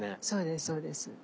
そうですそうです。